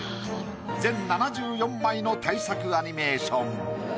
全７４枚の大作アニメーション。